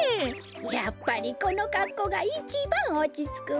やっぱりこのかっこうがいちばんおちつくわ。